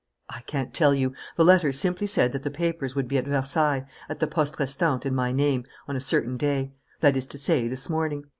"I can't tell you. The letter simply said that the papers would be at Versailles, at the poste restante, in my name, on a certain day that is to say, this morning.